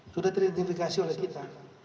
sudah diidentifikasi oleh kita